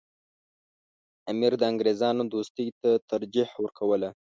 امیر د انګریزانو دوستۍ ته ترجیح ورکوله.